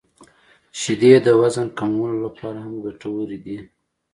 • شیدې د وزن کمولو لپاره هم ګټورې دي.